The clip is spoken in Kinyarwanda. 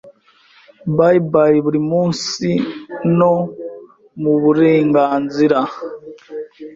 bye bye buri munsi no mu burengenzire